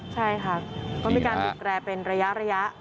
ใช่ค่ะเพราะมีการผิดแกร่เป็นระยะ